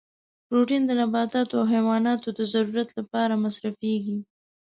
پروتین د نباتاتو او حیواناتو د ضرورت لپاره مصرفیږي.